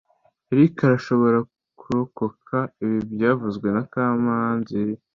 Eric arashobora kurokoka ibi byavuzwe na kamanzi